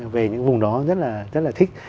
về những vùng đó rất là thích